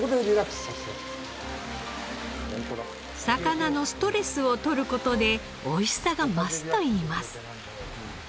魚のストレスを取る事でおいしさが増すといいます。